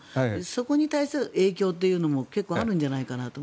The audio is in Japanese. そこに対する影響というのも結構あるんじゃないかなと。